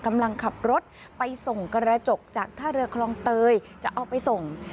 กำลังขับรถไปส่งกระจกจากท่าเรือคลองเตยจะเอาไปส่ง